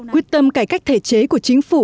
quyết tâm cải cách thể chế của chính phủ